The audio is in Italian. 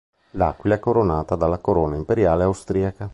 L'aquila è coronata dalla corona imperiale austriaca.